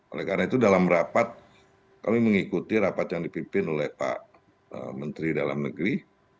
oleh karena itu dalam rapat kami mengikuti rapat yang dipimpin oleh pak menteri dalam negeri